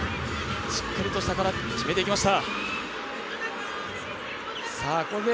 しっかりと下から決めてきました。